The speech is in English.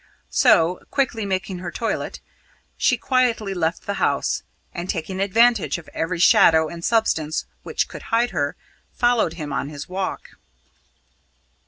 So, quickly making her toilet, she quietly left the house, and, taking advantage of every shadow and substance which could hide her, followed him on his walk.